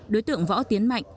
đối tượng võ tiến mạnh